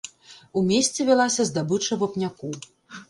У месце вялася здабыча вапняку.